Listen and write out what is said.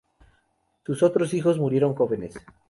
Sus otros hijos murieron jóvenes.